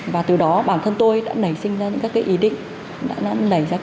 và từ đó bản thân tôi đã nảy sinh ra